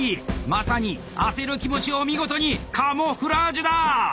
まさに焦る気持ちを見事に「鴨フラージュ」だ！